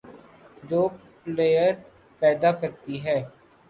جو پلئیر پیدا کرتی ہے،